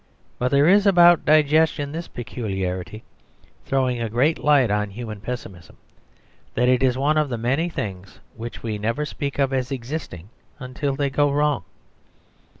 But there is about digestion this peculiarity throwing a great light on human pessimism, that it is one of the many things which we never speak of as existing until they go wrong.